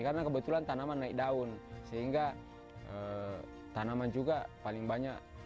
karena kebetulan tanaman naik daun sehingga tanaman juga paling banyak